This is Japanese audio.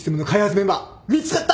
メンバー見つかった！